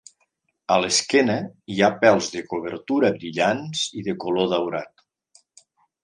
A l'esquena hi ha pèls de cobertura brillants i de color daurat.